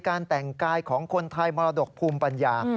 การแต่งกายของคนไทยมรดกภูมิปัญญา